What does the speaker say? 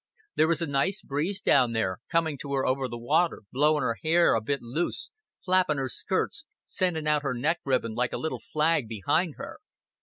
There is a nice breeze down there, comin' to her over the waater, blowin' her hair a bit loose, flappin' her skirts, sendin' out her neck ribbon like a little flag behind her.